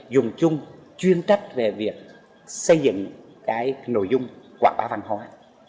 dùng chung chuyên trách về việc xây dựng cái nội dung quảng bá văn hóa